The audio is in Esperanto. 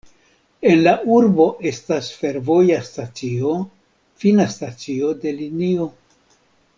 En la urbo estas fervoja stacio, fina stacio de linio.